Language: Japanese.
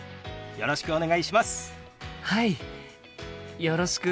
よろしくお願いします。